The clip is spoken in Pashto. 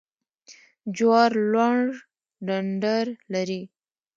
جوار لوړ ډنډر لري